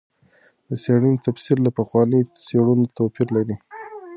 د څېړنې تفسیر له پخوانیو څېړنو توپیر لري.